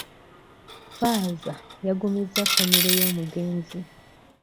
Ffaaza yagumizza famire y'omugenzi.